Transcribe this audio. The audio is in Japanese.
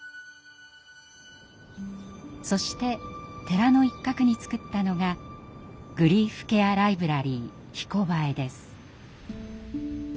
そして寺の一角に作ったのがグリーフケアライブラリー「ひこばえ」です。